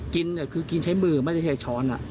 กินใช้มือไม่ใช่ช้อน